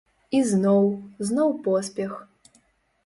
І зноў, зноў поспех.